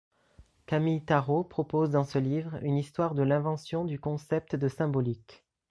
Camille Tarot propose dans ce livre une histoire de l'invention du concept de symbolique.